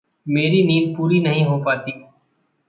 मेरी नींद पूरी नहीं हो पाती।